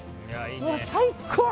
もう最高。